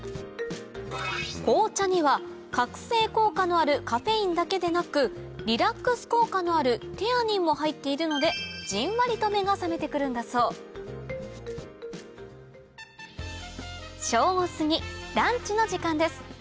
紅茶には覚醒効果のあるカフェインだけでなくリラックス効果のあるテアニンも入っているのでじんわりと目が覚めて来るんだそう正午すぎランチの時間です